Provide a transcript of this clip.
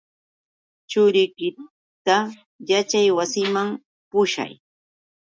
Churiykita yaćhaywasiman pushay.